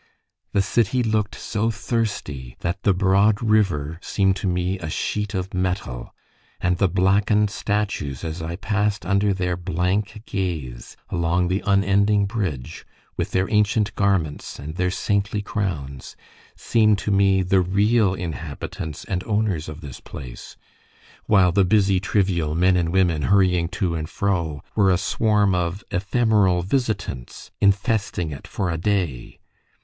The city looked so thirsty that the broad river seemed to me a sheet of metal; and the blackened statues, as I passed under their blank gaze, along the unending bridge, with their ancient garments and their saintly crowns, seemed to me the real inhabitants and owners of this place, while the busy, trivial men and women, hurrying to and fro, were a swarm of ephemeral visitants infesting it for a day.